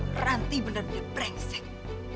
berani beraninya dia bilang itu sama aku